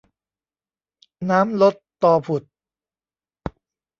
น้ำลดตอผุด